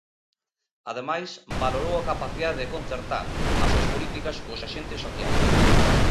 Ademais, valorou a "capacidade de concertar" as súas políticas cos axentes sociais.